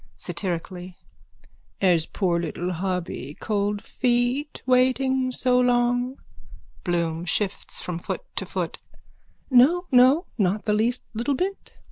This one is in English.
(Satirically.) Has poor little hubby cold feet waiting so long? BLOOM: (Shifts from foot to foot.) No, no. Not the least little bit.